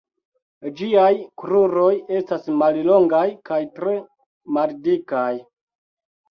Ĝiaj kruroj estas mallongaj kaj tre maldikaj.